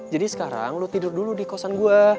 jadi sekarang lo tidur dulu di kosan gue